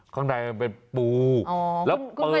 ข้างในมันเป็นปูอ๋อคุณเคยทานหมดเลยเหรอ